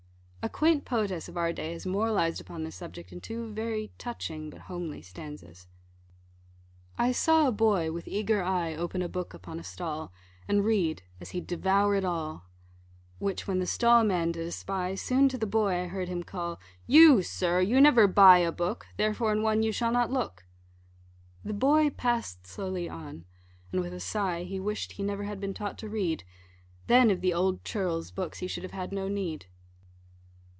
A quaint poetess of our day has moralised upon this subject in two very touching but homely stanzas. I saw a boy with eager eye Open a book upon a stall, And read, as he'd devour it all; Which when the stall man did espy, Soon to the boy I heard him call, "You, Sir, you never buy a book, Therefore in one you shall not look." The boy pass'd slowly on, and with a sigh He wish'd he never had been taught to read, Then of the old churl's books he should have had no need.